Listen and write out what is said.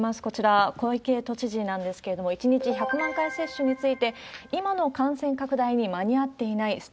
こちら、小池都知事なんですけれども、１日１００万回接種について、今の感染拡大に間に合っていない。